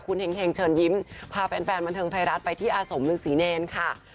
คุณเฮงเทงเชิญยิ้มพาแปลนบันเทิงไพรัสไปที่อสมรึงศรีเนรค่ะ